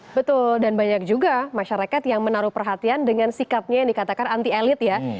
betul dan banyak juga masyarakat yang menaruh perhatian dengan sikapnya yang dikatakan anti elit ya